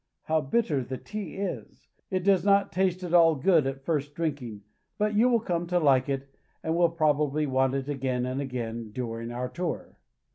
How bitter the tea is! It does not taste at all good at first drinking, but you will come to like it, and will probably want it again and again during our tour.